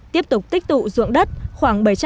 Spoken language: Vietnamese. tiếp tục tích tụ dụng đất khoảng bảy trăm linh